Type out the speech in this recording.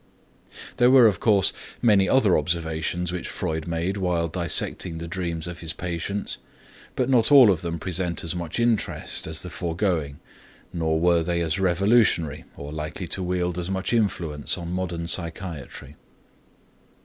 There were, of course, many other observations which Freud made while dissecting the dreams of his patients, but not all of them present as much interest as the foregoing nor were they as revolutionary or likely to wield as much influence on modern psychiatry.